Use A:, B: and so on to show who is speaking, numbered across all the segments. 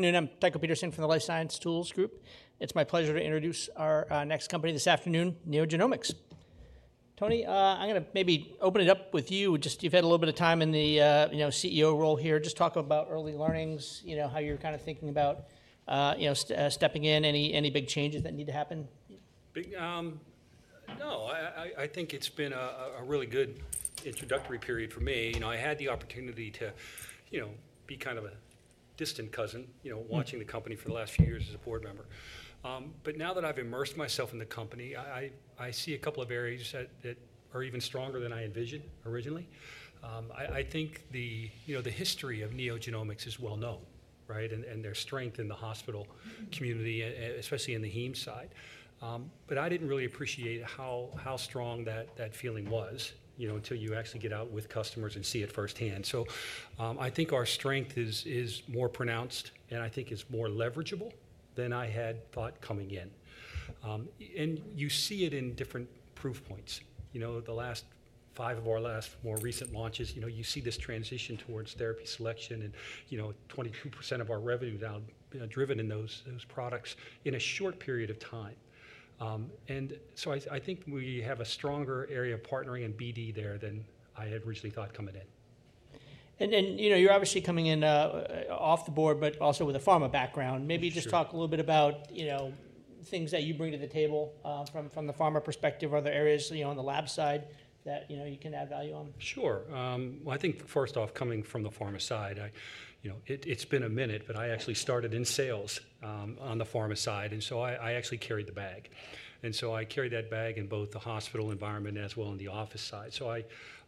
A: Good afternoon. I'm Tycho Peterson from the Life Science Tools Group. It's my pleasure to introduce our next company this afternoon, NeoGenomics. Tony, I'm going to maybe open it up with you. Just you've had a little bit of time in the CEO role here. Just talk about early learnings, how you're kind of thinking about stepping in, any big changes that need to happen.
B: No. I think it's been a really good introductory period for me. I had the opportunity to be kind of a distant cousin, watching the company for the last few years as a board member. Now that I've immersed myself in the company, I see a couple of areas that are even stronger than I envisioned originally. I think the history of NeoGenomics is well known, and their strength in the hospital community, especially in the heme side. I did not really appreciate how strong that feeling was until you actually get out with customers and see it firsthand. I think our strength is more pronounced, and I think it's more leverageable than I had thought coming in. You see it in different proof points. The last five of our last more recent launches, you see this transition towards therapy selection, and 22% of our revenue now driven in those products in a short period of time. I think we have a stronger area of partnering and BD there than I had originally thought coming in.
A: You're obviously coming in off the board, but also with a pharma background. Maybe just talk a little bit about things that you bring to the table from the pharma perspective, other areas on the lab side that you can add value on.
B: Sure. I think first off, coming from the pharma side, it's been a minute, but I actually started in sales on the pharma side. I actually carried the bag. I carried that bag in both the hospital environment as well as the office side.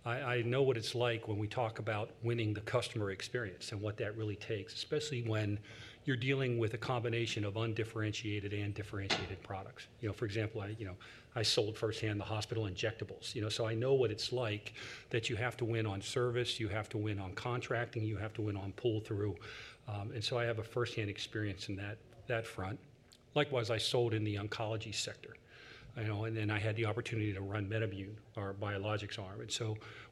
B: I know what it's like when we talk about winning the customer experience and what that really takes, especially when you're dealing with a combination of undifferentiated and differentiated products. For example, I sold firsthand the hospital injectables. I know what it's like that you have to win on service, you have to win on contracting, you have to win on pull-through. I have a firsthand experience in that front. Likewise, I sold in the oncology sector. I had the opportunity to run MedImmune, our biologics arm.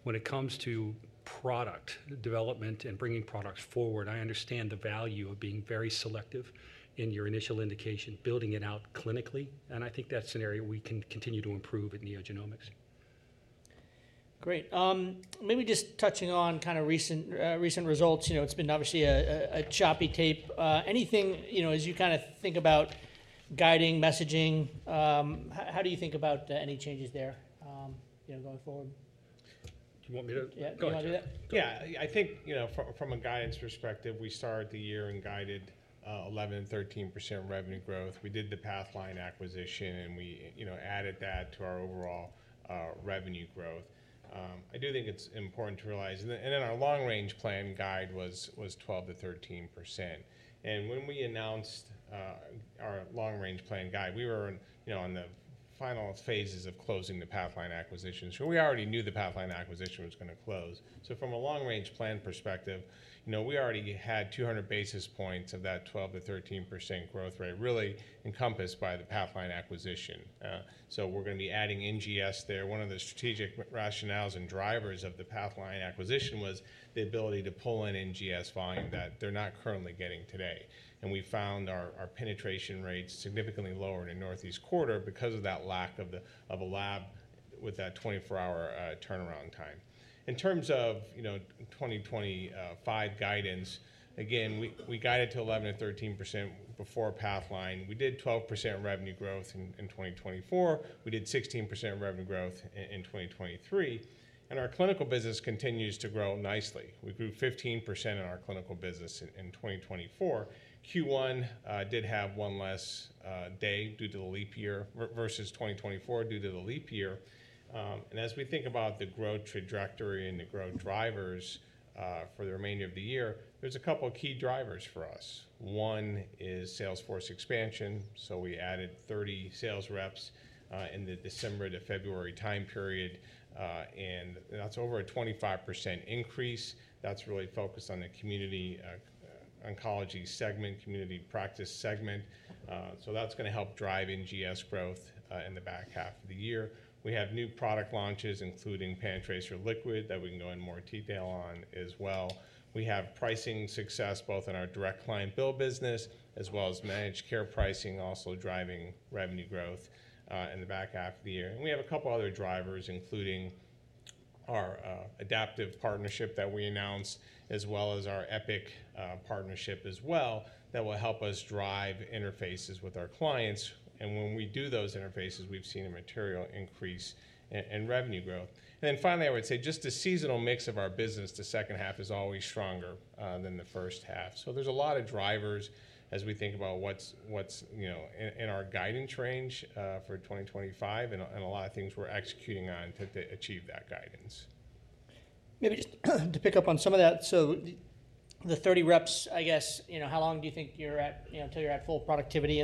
B: When it comes to product development and bringing products forward, I understand the value of being very selective in your initial indication, building it out clinically. I think that's an area we can continue to improve at NeoGenomics.
A: Great. Maybe just touching on kind of recent results. It's been obviously a choppy tape. Anything as you kind of think about guiding messaging, how do you think about any changes there going forward?
C: Do you want me to? Yeah. I think from a guidance perspective, we started the year and guided 11% and 13% revenue growth. We did the Pathline acquisition, and we added that to our overall revenue growth. I do think it's important to realize and then our long-range plan guide was 12%-13%. When we announced our long-range plan guide, we were in the final phases of closing the Pathline acquisition. We already knew the Pathline acquisition was going to close. From a long-range plan perspective, we already had 200 basis points of that 12%-13% growth rate really enCOMPASSed by the Pathline acquisition. We are going to be adding NGS there. One of the strategic rationales and drivers of the Pathline acquisition was the ability to pull in NGS volume that they are not currently getting today. We found our penetration rates significantly lower in the Northeast quarter because of that lack of a lab with that 24-hour turnaround time. In terms of 2025 guidance, again, we guided to 11%-13% before Pathline. We did 12% revenue growth in 2024. We did 16% revenue growth in 2023. Our clinical business continues to grow nicely. We grew 15% in our clinical business in 2024. Q1 did have one less day due to the leap year versus 2024 due to the leap year. As we think about the growth trajectory and the growth drivers for the remainder of the year, there are a couple of key drivers for us. One is sales force expansion. We added 30 sales reps in the December to February time period. That is over a 25% increase. That is really focused on the community oncology segment, community practice segment. That's going to help drive NGS growth in the back half of the year. We have new product launches, PanTracer Liquid, that we can go into more detail on as well. We have pricing success both in our direct client bill business as well as managed care pricing, also driving revenue growth in the back half of the year. We have a couple of other drivers, including our Adaptive partnership that we announced, as well as our Epic partnership as well, that will help us drive interfaces with our clients. When we do those interfaces, we've seen a material increase in revenue growth. Finally, I would say just the seasonal mix of our business, the second half, is always stronger than the first half. There is a lot of drivers as we think about what is in our guidance range for 2025 and a lot of things we are executing on to achieve that guidance.
A: Maybe just to pick up on some of that. The 30 reps, I guess, how long do you think you're at until you're at full productivity?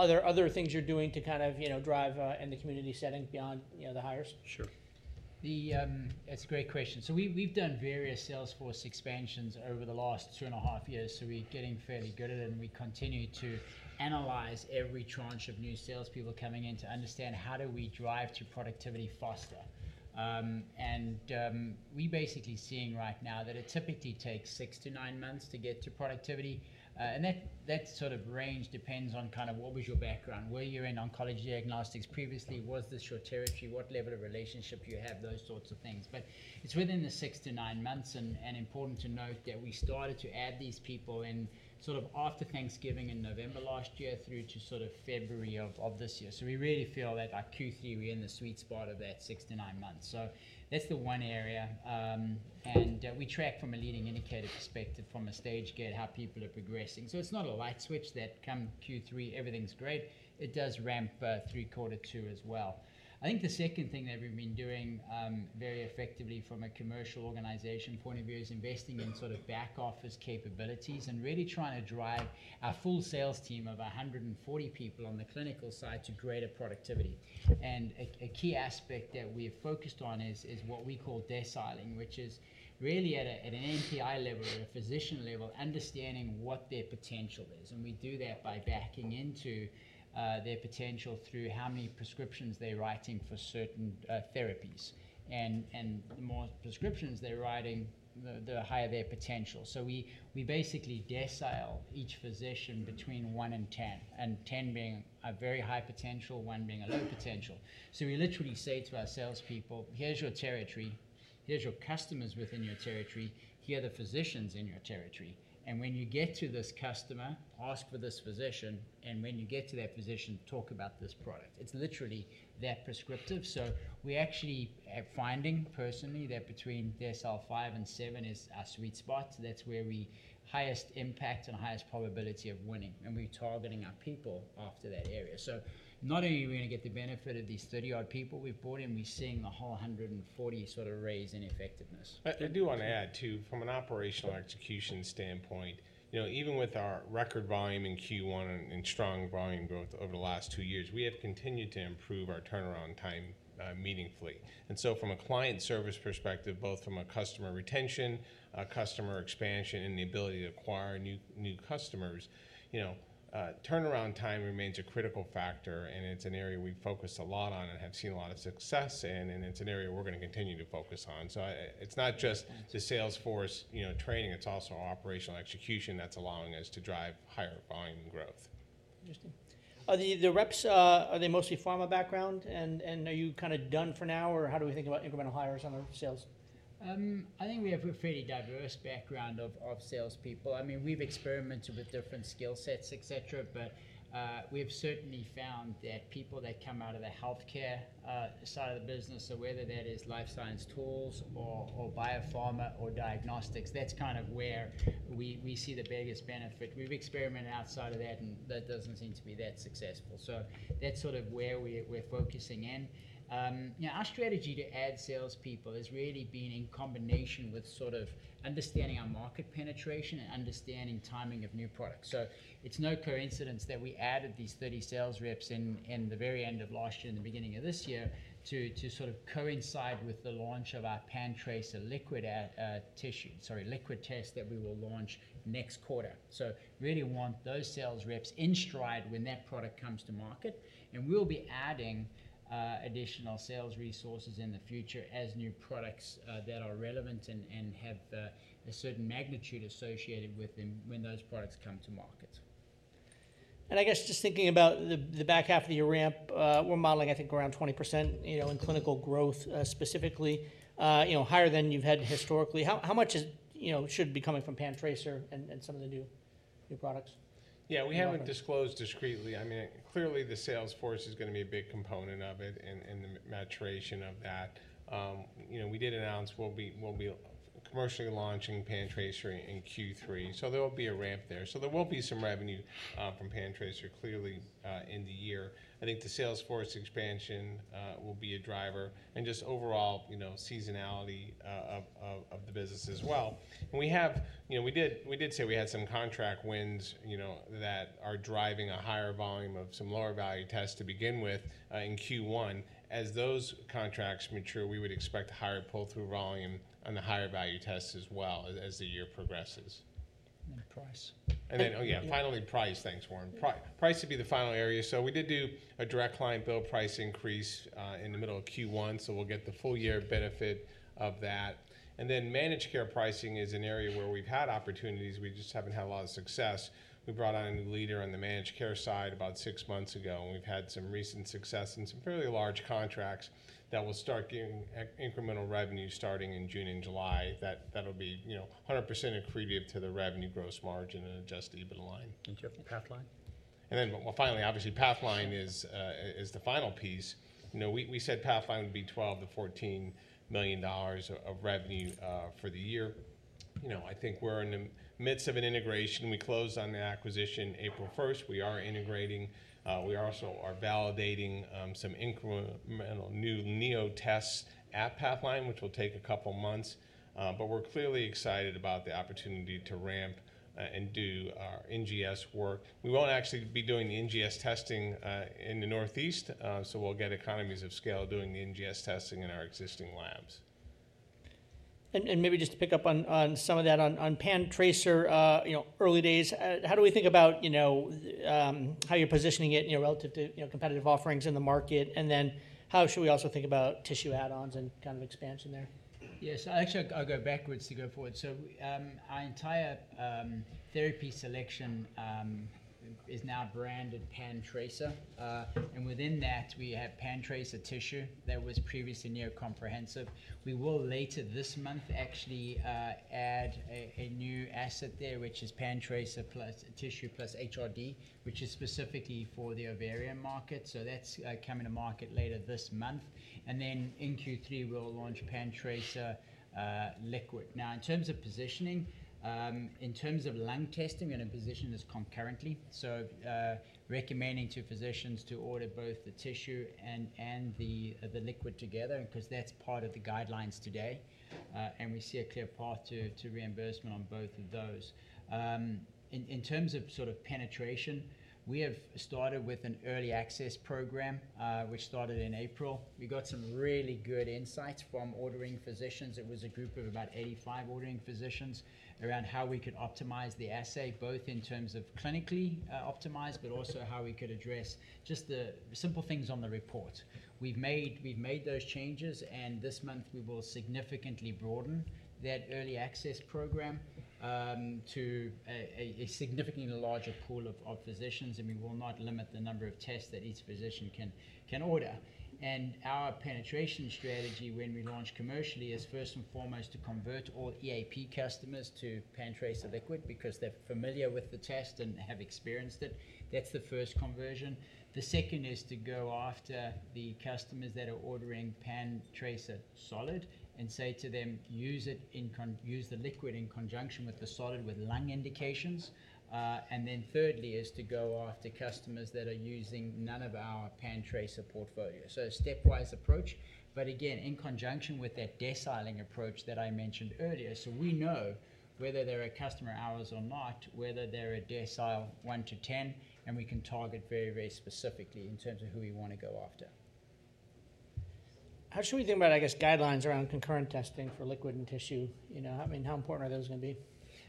A: Are there other things you're doing to kind of drive in the community setting beyond the hires?
D: Sure. That's a great question. We've done various sales force expansions over the last two and a half years. We're getting fairly good at it. We continue to analyze every tranche of new salespeople coming in to understand how do we drive to productivity faster. We're basically seeing right now that it typically takes six to nine months to get to productivity. That sort of range depends on kind of what was your background, were you in oncology diagnostics previously, was this your territory, what level of relationship you have, those sorts of things. It's within the six to nine months. It's important to note that we started to add these people in after Thanksgiving in November last year through to February of this year. We really feel that Q3, we're in the sweet spot of that six to nine months. That's the one area. We track from a leading indicator perspective from a stage gate how people are progressing. It's not a light switch that come Q3, everything's great. It does ramp through quarter two as well. I think the second thing that we've been doing very effectively from a commercial organization point of view is investing in sort of back office capabilities and really trying to drive our full sales team of 140 people on the clinical side to greater productivity. A key aspect that we have focused on is what we call deciling, which is really at an NPI level or a physician level, understanding what their potential is. We do that by backing into their potential through how many prescriptions they're writing for certain therapies. The more prescriptions they're writing, the higher their potential. We basically decile each physician between one and ten, with ten being a very high potential and one being a low potential. We literally say to our salespeople, "Here's your territory. Here's your customers within your territory. Here are the physicians in your territory. When you get to this customer, ask for this physician. When you get to that physician, talk about this product." It's literally that prescriptive. We actually are finding personally that between decile five and seven is our sweet spot. That's where we have the highest impact and highest probability of winning. We're targeting our people after that area. Not only are we going to get the benefit of these 30-odd people we've brought in, we're seeing the whole 140 sort of raise in effectiveness.
C: I do want to add too, from an operational execution standpoint, even with our record volume in Q1 and strong volume growth over the last two years, we have continued to improve our turnaround time meaningfully. From a client service perspective, both from a customer retention, a customer expansion, and the ability to acquire new customers, turnaround time remains a critical factor. It is an area we have focused a lot on and have seen a lot of success in. It is an area we are going to continue to focus on. It is not just the sales force training. It is also operational execution that is allowing us to drive higher volume growth.
A: Interesting. Are the reps, are they mostly pharma background? Are you kind of done for now? How do we think about incremental hires on the sales?
D: I think we have a fairly diverse background of salespeople. I mean, we've experimented with different skill sets, et cetera. We have certainly found that people that come out of the healthcare side of the business, so whether that is life science tools or biopharma or diagnostics, that's kind of where we see the biggest benefit. We've experimented outside of that, and that doesn't seem to be that successful. That's sort of where we're focusing in. Our strategy to add salespeople has really been in combination with sort of understanding our market penetration and understanding timing of new products. It's no coincidence that we added these 30 sales reps in the very end of last year and the beginning of this year to sort of coincide with the launch of PanTracer Liquid tissue, sorry, liquid test that we will launch next quarter. Really want those sales reps in stride when that product comes to market. We'll be adding additional sales resources in the future as new products that are relevant and have a certain magnitude associated with them when those products come to market.
A: I guess just thinking about the back half of your ramp, we're modeling, I think, around 20% in clinical growth specifically, higher than you've had historically. How much should be coming from PanTracer and some of the new products?
C: Yeah. We have not disclosed discreetly. I mean, clearly, the sales force is going to be a big component of it and the maturation of that. We did announce we will be commercially launching PanTracer in Q3. There will be a ramp there. There will be some revenue from PanTracer clearly in the year. I think the sales force expansion will be a driver and just overall seasonality of the business as well. We did say we had some contract wins that are driving a higher volume of some lower value tests to begin with in Q1. As those contracts mature, we would expect a higher pull-through volume on the higher value tests as well as the year progresses.
D: Price.
C: Oh yeah, finally, price. Thanks, Warren. Price would be the final area. We did do a direct client bill price increase in the middle of Q1. We'll get the full year benefit of that. Managed care pricing is an area where we've had opportunities. We just haven't had a lot of success. We brought on a new leader on the managed care side about six months ago. We've had some recent success and some fairly large contracts that will start getting incremental revenue starting in June and July. That'll be 100% accretive to the revenue gross margin and adjust the EBITDA line.
D: Jeff, Pathline?
C: Finally, obviously, Pathline is the final piece. We said Pathline would be $12 million-$14 million of revenue for the year. I think we're in the midst of an integration. We closed on the acquisition April 1st. We are integrating. We also are validating some incremental new Neo tests at Pathline, which will take a couple of months. We're clearly excited about the opportunity to ramp and do our NGS work. We won't actually be doing the NGS testing in the Northeast. We'll get economies of scale doing the NGS testing in our existing labs.
A: Maybe just to pick up on some of that on PanTracer early days, how do we think about how you're positioning it relative to competitive offerings in the market? How should we also think about tissue add-ons and kind of expansion there?
D: Yes. Actually, I'll go backwards to go forward. Our entire therapy selection is now branded PanTracer. Within that, we have PanTracer tissue that was previously near comprehensive. We will later this month actually add a new asset there, which is PanTracer Tissue + HRD, which is specifically for the ovarian market. That is coming to market later this month. In Q3, we will PanTracer Liquid. in terms of positioning, in terms of lung testing, we are going to position this concurrently. We are recommending to physicians to order both the tissue and the liquid together because that is part of the guidelines today. We see a clear path to reimbursement on both of those. In terms of penetration, we have started with an early access program, which started in April. We got some really good insights from ordering physicians. It was a group of about 85 ordering physicians around how we could optimize the assay, both in terms of clinically optimized, but also how we could address just the simple things on the report. We have made those changes. This month, we will significantly broaden that early access program to a significantly larger pool of physicians. We will not limit the number of tests that each physician can order. Our penetration strategy when we launch commercially is first and foremost to convert all EAP customers PanTracer Liquid because they are familiar with the test and have experienced it. That is the first conversion. The second is to go after the customers that are ordering PanTracer solid and say to them, "Use the liquid in conjunction with the solid with lung indications." Thirdly is to go after customers that are using none of our PanTracer portfolio. A stepwise approach. Again, in conjunction with that deciling approach that I mentioned earlier. We know whether there are customer hours or not, whether they're a decile one to ten, and we can target very, very specifically in terms of who we want to go after.
A: How should we think about, I guess, guidelines around concurrent testing for liquid and tissue? I mean, how important are those going to be?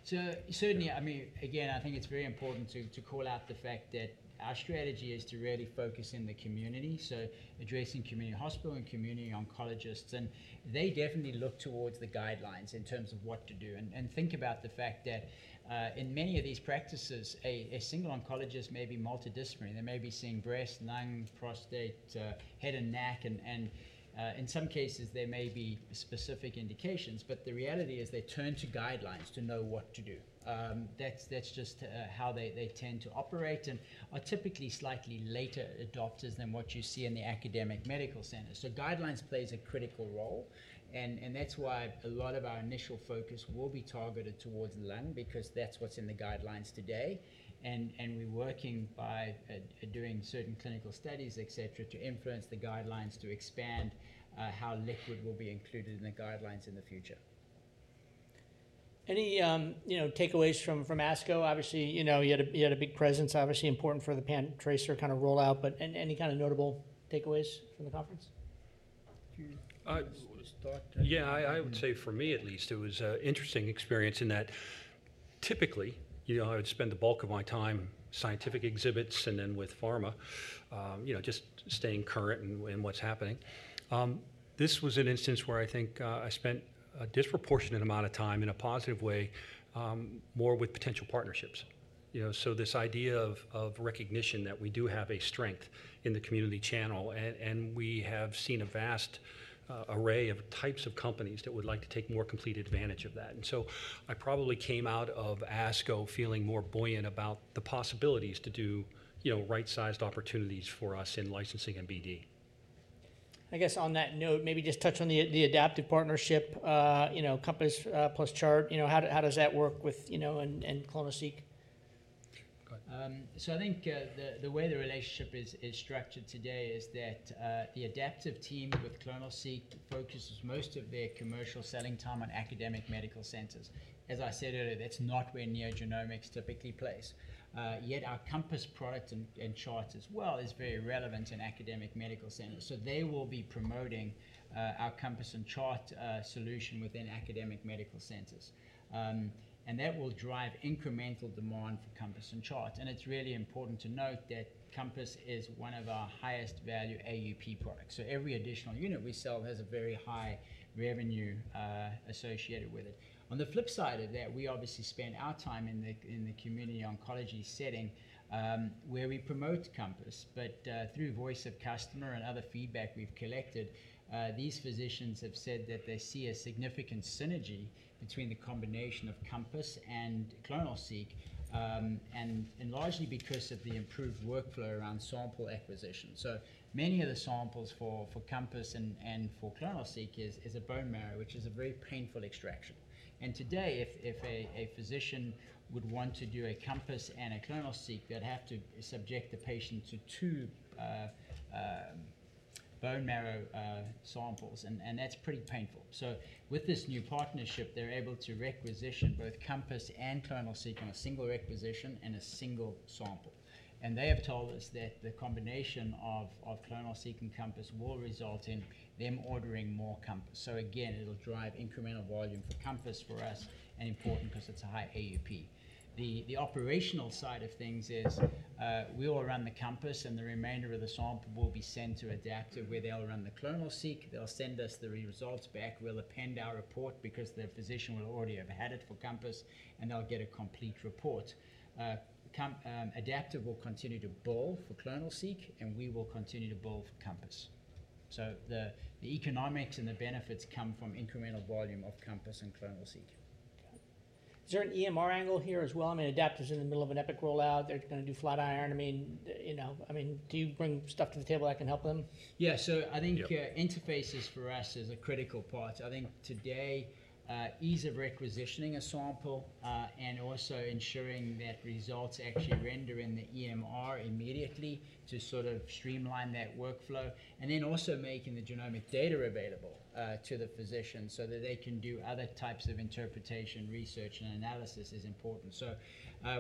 D: Certainly, I mean, again, I think it's very important to call out the fact that our strategy is to really focus in the community. Addressing community hospital and community oncologists. They definitely look towards the guidelines in terms of what to do. Think about the fact that in many of these practices, a single oncologist may be multidisciplinary. They may be seeing breast, lung, prostate, head, and neck. In some cases, there may be specific indications. The reality is they turn to guidelines to know what to do. That's just how they tend to operate and are typically slightly later adopters than what you see in the academic medical centers. Guidelines play a critical role. That's why a lot of our initial focus will be targeted towards the lung because that's what's in the guidelines today. We're working by doing certain clinical studies, et cetera, to influence the guidelines to expand how liquid will be included in the guidelines in the future.
A: Any takeaways from ASCO? Obviously, you had a big presence, obviously, important for the PanTracer kind of rollout. Any kind of notable takeaways from the conference?
B: Yeah. I would say for me, at least, it was an interesting experience in that typically, I would spend the bulk of my time in scientific exhibits and then with pharma, just staying current in what's happening. This was an instance where I think I spent a disproportionate amount of time in a positive way, more with potential partnerships. This idea of recognition that we do have a strength in the community channel. We have seen a vast array of types of companies that would like to take more complete advantage of that. I probably came out of ASCO feeling more buoyant about the possibilities to do right-sized opportunities for us in licensing and BD.
A: I guess on that note, maybe just touch on the Adaptive partnership, COMPASS plus CHART. How does that work with clonoSEQ?
D: I think the way the relationship is structured today is that the Adaptive team with clonoSEQ focuses most of their commercial selling time on academic medical centers. As I said earlier, that's not where NeoGenomics typically plays. Yet our COMPASS product and CHART as well is very relevant in academic medical centers. They will be promoting our COMPASS and CHART solution within academic medical centers. That will drive incremental demand for COMPASS and CHART. It's really important to note that COMPASS is one of our highest value AUP products. Every additional unit we sell has a very high revenue associated with it. On the flip side of that, we obviously spend our time in the community oncology setting where we promote COMPASS. Through voice of customer and other feedback we've collected, these physicians have said that they see a significant synergy between the combination of COMPASS and clonoSEQ, and largely because of the improved workflow around sample acquisition. Many of the samples for COMPASS and for clonoSEQ is a bone marrow, which is a very painful extraction. Today, if a physician would want to do a COMPASS and a clonoSEQ, they'd have to subject the patient to two bone marrow samples. That is pretty painful. With this new partnership, they're able to requisition both COMPASS and clonoSEQ on a single requisition and a single sample. They have told us that the combination of clonoSEQ and COMPASS will result in them ordering more COMPASS. It will drive incremental volume for COMPASS for us and important because it's a high AUP. The operational side of things is we will run the COMPASS, and the remainder of the sample will be sent to Adent where they'll run the clonoSEQ. They'll send us the results back. We'll append our report because the physician will already have had it for COMPASS, and they'll get a complete report. Adent will continue to bill for clonoSEQ, and we will continue to bill for COMPASS. The economics and the benefits come from incremental volume of COMPASS and clonoSEQ.
A: Is there an EMR angle here as well? I mean, Adent is in the middle of an Epic rollout. They're going to do Flatiron. I mean, do you bring stuff to the table that can help them?
D: Yeah. I think interfaces for us is a critical part. I think today, ease of requisitioning a sample and also ensuring that results actually render in the EMR immediately to sort of streamline that workflow. Also, making the genomic data available to the physician so that they can do other types of interpretation, research, and analysis is important.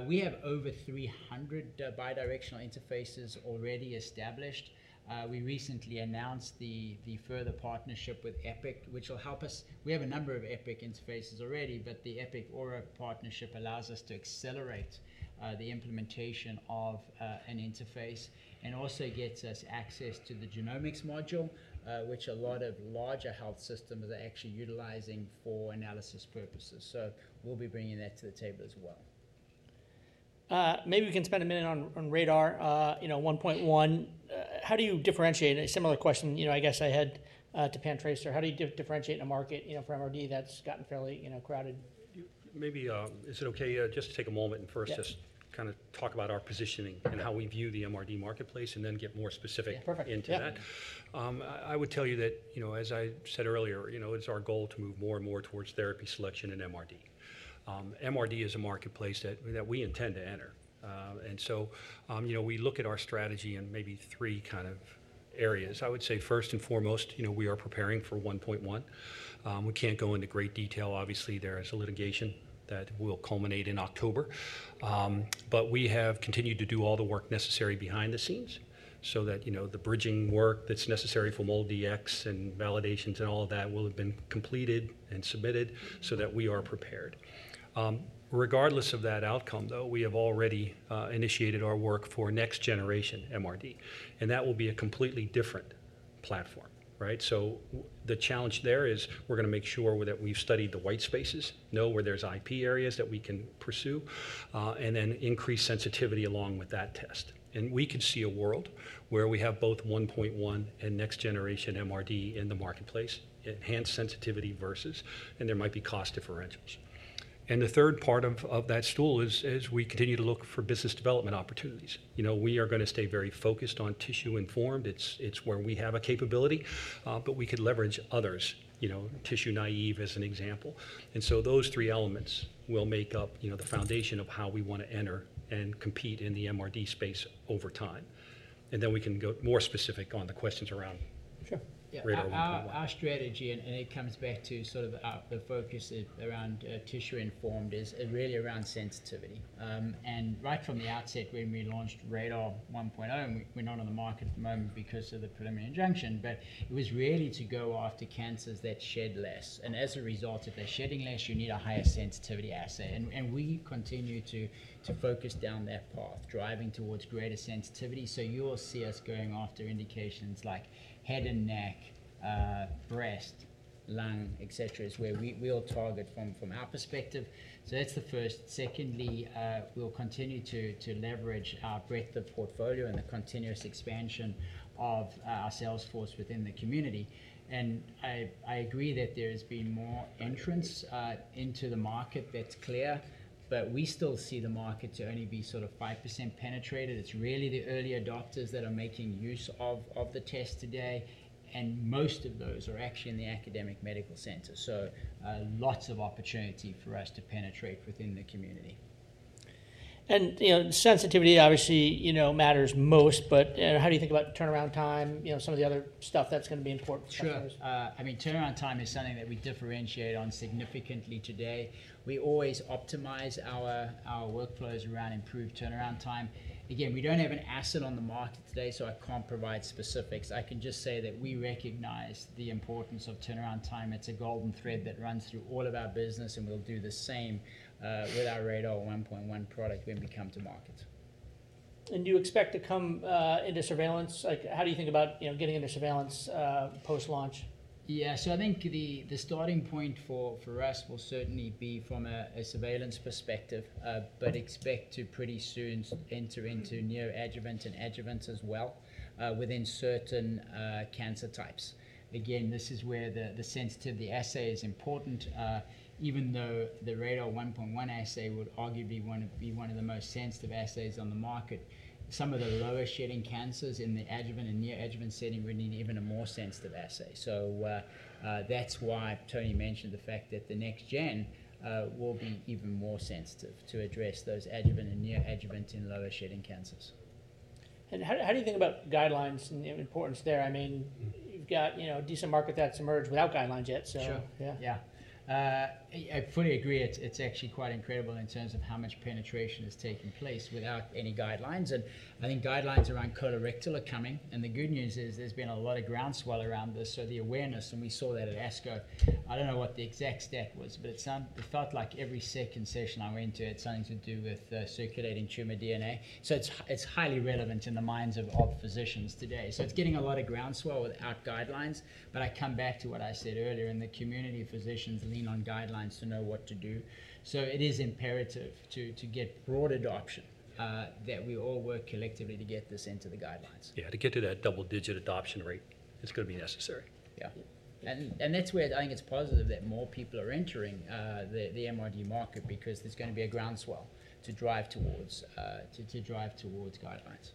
D: We have over 300 bidirectional interfaces already established. We recently announced the further partnership with Epic, which will help us. We have a number of Epic interfaces already, but the Epic Aura partnership allows us to accelerate the implementation of an interface and also gets us access to the genomics module, which a lot of larger health systems are actually utilizing for analysis purposes. We will be bringing that to the table as well.
A: Maybe we can spend a minute on RaDaR 1.1. How do you differentiate? A similar question, I guess, I had to PanTracer. How do you differentiate in a market for MRD that's gotten fairly crowded?
B: Maybe, is it okay just to take a moment and first just kind of talk about our positioning and how we view the MRD marketplace and then get more specific into that?
A: Yeah. Perfect.
B: I would tell you that, as I said earlier, it's our goal to move more and more towards therapy selection and MRD. MRD is a marketplace that we intend to enter. We look at our strategy in maybe three kind of areas. I would say first and foremost, we are preparing for 1.1. We can't go into great detail. Obviously, there is a litigation that will culminate in October. We have continued to do all the work necessary behind the scenes so that the bridging work that's necessary for MolDX and validations and all of that will have been completed and submitted so that we are prepared. Regardless of that outcome, though, we have already initiated our work for next generation MRD. That will be a completely different platform. The challenge there is we're going to make sure that we've studied the white spaces, know where there's IP areas that we can pursue, and then increase sensitivity along with that test. We could see a world where we have both 1.1 and next-generation MRD in the marketplace, enhanced sensitivity versus, and there might be cost differentials. The third part of that stool is we continue to look for business development opportunities. We are going to stay very focused on tissue informed. It's where we have a capability, but we could leverage others, tissue naive as an example. Those three elements will make up the foundation of how we want to enter and compete in the MRD space over time. We can get more specific on the questions around RaDaR 1.1.
D: Our strategy, and it comes back to sort of the focus around tissue informed, is really around sensitivity. Right from the outset, when we launched RaDaR 1.0, and we're not on the market at the moment because of the preliminary injunction, but it was really to go after cancers that shed less. As a result, if they're shedding less, you need a higher sensitivity assay. We continue to focus down that path, driving towards greater sensitivity. You'll see us going after indications like head and neck, breast, lung, et cetera, is where we'll target from our perspective. That's the first. Secondly, we'll continue to leverage our breadth of portfolio and the continuous expansion of our sales force within the community. I agree that there has been more entrance into the market, that's clear, but we still see the market to only be sort of 5% penetrated. It's really the early adopters that are making use of the test today. Most of those are actually in the academic medical centers. Lots of opportunity for us to penetrate within the community.
A: Sensitivity, obviously, matters most. How do you think about turnaround time, some of the other stuff that's going to be important for the companies?
D: Sure. I mean, turnaround time is something that we differentiate on significantly today. We always optimize our workflows around improved turnaround time. Again, we do not have an asset on the market today, so I cannot provide specifics. I can just say that we recognize the importance of turnaround time. It is a golden thread that runs through all of our business, and we will do the same with our RaDaR 1.1 product when we come to market.
A: Do you expect to come into surveillance? How do you think about getting into surveillance post-launch?
D: Yeah. I think the starting point for us will certainly be from a surveillance perspective, but expect to pretty soon enter into neoadjuvants and adjuvants as well within certain cancer types. Again, this is where the sensitivity assay is important. Even though the RaDaR 1.1 assay would arguably be one of the most sensitive assays on the market, some of the lower shedding cancers in the adjuvant and neoadjuvant setting would need even a more sensitive assay. That is why Tony mentioned the fact that the next gen will be even more sensitive to address those adjuvant and neoadjuvant and lower shedding cancers.
A: How do you think about guidelines and importance there? I mean, you've got decent market that's emerged without guidelines yet, so yeah.
D: Yeah. I fully agree. It's actually quite incredible in terms of how much penetration is taking place without any guidelines. I think guidelines around colorectal are coming. The good news is there's been a lot of groundswell around this. The awareness, and we saw that at ASCO. I don't know what the exact stat was, but it felt like every second session I went to had something to do with ctDNA. It's highly relevant in the minds of physicians today. It's getting a lot of groundswell without guidelines. I come back to what I said earlier, and the community physicians lean on guidelines to know what to do. It is imperative to get broad adoption that we all work collectively to get this into the guidelines.
B: Yeah. To get to that double-digit adoption rate, it's going to be necessary.
D: Yeah. That is where I think it is positive that more people are entering the MRD market because there is going to be a groundswell to drive towards guidelines.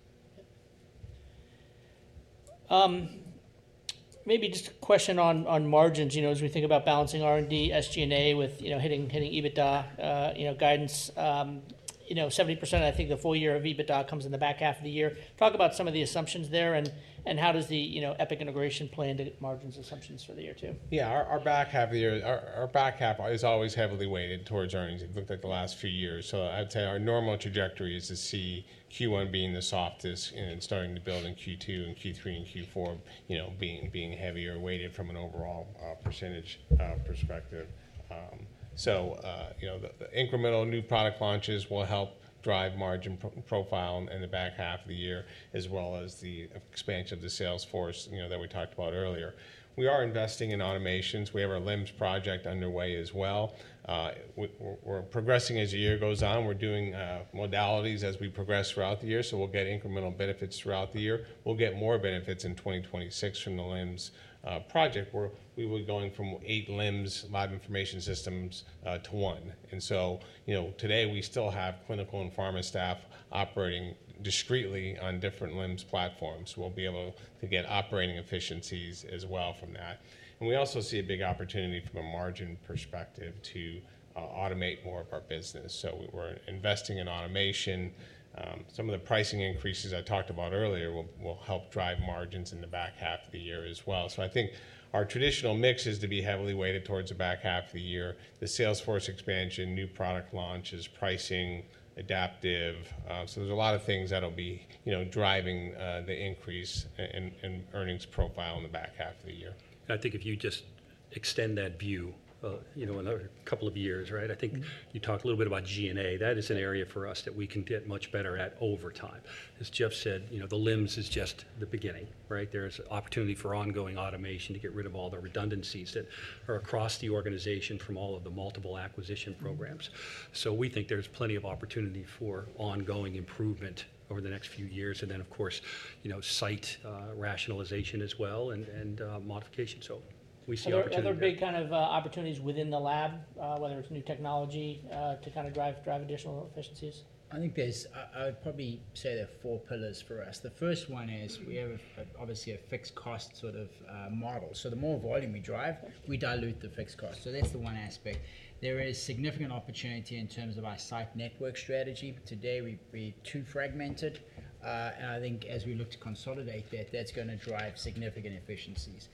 A: Maybe just a question on margins. As we think about balancing R&D, SG&A with hitting EBITDA guidance, 70%, I think the full year of EBITDA comes in the back half of the year. Talk about some of the assumptions there and how does the Epic integration plan to margins assumptions for the year too?
C: Yeah. Our back half is always heavily weighted towards earnings, looked at the last few years. I'd say our normal trajectory is to see Q1 being the softest and starting to build in Q2 and Q3 and Q4 being heavier weighted from an overall % perspective. Incremental new product launches will help drive margin profile in the back half of the year, as well as the expansion of the sales force that we talked about earlier. We are investing in automations. We have our LIMS project underway as well. We're progressing as the year goes on. We're doing modalities as we progress throughout the year. We'll get incremental benefits throughout the year. We'll get more benefits in 2026 from the LIMS project, where we were going from eight LIMS live information systems to one. Today, we still have clinical and pharma staff operating discreetly on different LIMS platforms. We will be able to get operating efficiencies as well from that. We also see a big opportunity from a margin perspective to automate more of our business. We are investing in automation. Some of the pricing increases I talked about earlier will help drive margins in the back half of the year as well. I think our traditional mix is to be heavily weighted towards the back half of the year, the sales force expansion, new product launches, pricing, Adaptive. There are a lot of things that will be driving the increase in earnings profile in the back half of the year.
B: I think if you just extend that view another couple of years, right, I think you talked a little bit about G&A. That is an area for us that we can get much better at over time. As Jeff said, the LIMS is just the beginning. There is opportunity for ongoing automation to get rid of all the redundancies that are across the organization from all of the multiple acquisition programs. We think there is plenty of opportunity for ongoing improvement over the next few years. Of course, site rationalization as well and modification. We see opportunity.
A: Are there other big kind of opportunities within the lab, whether it's new technology to kind of drive additional efficiencies?
D: I think there's, I'd probably say there are four pillars for us. The first one is we have obviously a fixed cost sort of model. The more volume we drive, we dilute the fixed cost. That's the one aspect. There is significant opportunity in terms of our site network strategy. Today, we're too fragmented. I think as we look to consolidate that, that's going to drive significant efficiencies.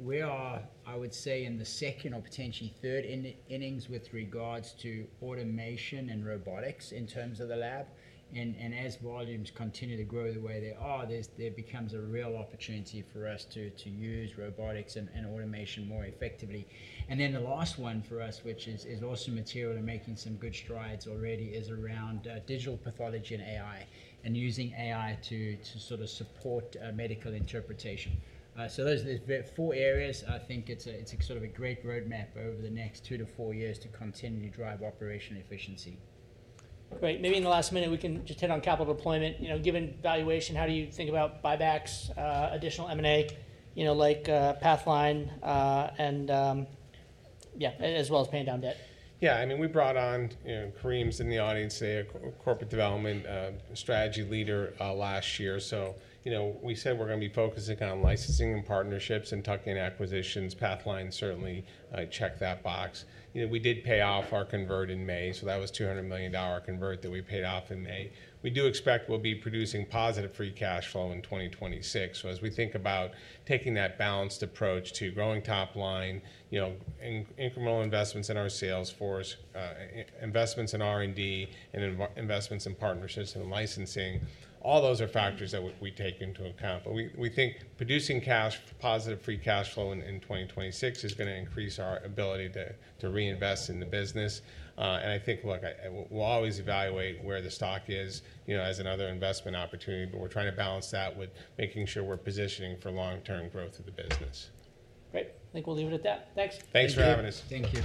D: We are, I would say, in the second or potentially third innings with regards to automation and robotics in terms of the lab. As volumes continue to grow the way they are, there becomes a real opportunity for us to use robotics and automation more effectively. The last one for us, which is also material and making some good strides already, is around digital pathology and AI and using AI to sort of support medical interpretation. There's four areas. I think it's sort of a great roadmap over the next two to four years to continue to drive operational efficiency.
A: Great. Maybe in the last minute, we can just hit on capital deployment. Given valuation, how do you think about buybacks, additional M&A like Pathline, and yeah, as well as paying down debt?
C: Yeah. I mean, we brought on Kareem's in the audience, a corporate development strategy leader last year. We said we're going to be focusing on licensing and partnerships and tuck-in acquisitions. Pathline certainly checked that box. We did pay off our convert in May. That was a $200 million convert that we paid off in May. We do expect we'll be producing positive free cash flow in 2026. As we think about taking that balanced approach to growing top line, incremental investments in our sales force, investments in R&D, and investments in partnerships and licensing, all those are factors that we take into account. We think producing positive free cash flow in 2026 is going to increase our ability to reinvest in the business. I think, look, we'll always evaluate where the stock is as another investment opportunity, but we're trying to balance that with making sure we're positioning for long-term growth of the business.
A: Great. I think we'll leave it at that. Thanks.
C: Thanks for having us.
B: Thank you.